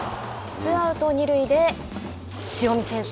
ツーアウト、二塁で塩見選手。